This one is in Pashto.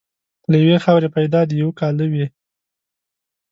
له یوې خاورې پیدا د یوه کاله وې.